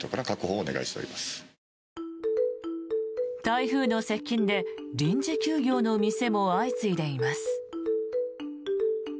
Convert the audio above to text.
台風の接近で臨時休業の店も相次いでいます。